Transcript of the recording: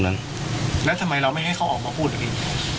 แล้วทำไมเราไม่ให้เขาออกมาพูดนะพี่